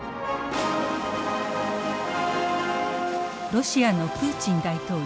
ロシアのプーチン大統領。